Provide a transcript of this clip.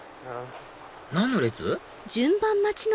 何の列？